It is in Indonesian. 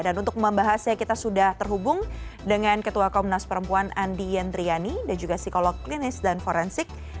dan untuk membahasnya kita sudah terhubung dengan ketua komnas perempuan andi yendriyani dan juga psikolog klinis dan forensik